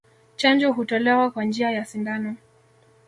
Chanjo hutolewa kwa njia ya sindano